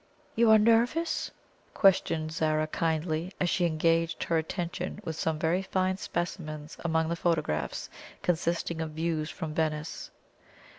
"You are nervous?" questioned Zara kindly, as she engaged her attention with some very fine specimens among the photographs, consisting of views from Venice.